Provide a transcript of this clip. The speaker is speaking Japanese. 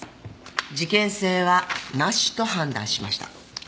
事件性はなしと判断しました。